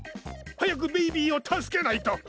早くベイビーを助けないと！